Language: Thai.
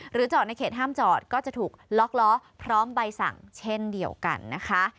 จอดในเขตห้ามจอดก็จะถูกล็อกล้อพร้อมใบสั่งเช่นเดียวกันนะคะ